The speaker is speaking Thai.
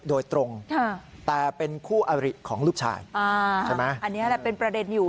โดยตรงแต่เป็นคู่อริของลูกชายใช่ไหมอันนี้แหละเป็นประเด็นอยู่